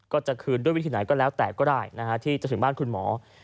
ก็จะคืนด้วยวิธีไหนก็แล้วแต่ก็ได้ที่จะถึงบ้านคุณหมอ